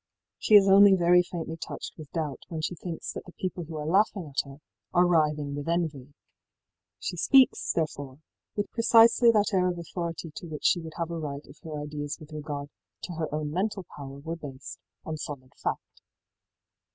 She is only very faintly touched with doubt when she thinks that the people who are laughing at her are writhing with envy. She speaks, therefore, with precisely that air of authority to which she would have a right if her ideas with regard to her own mental power were based on solid fact.